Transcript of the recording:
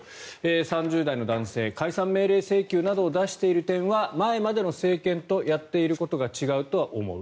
３０代の男性解散命令請求などを出している点は前までの政権とやっていることが違うとは思う。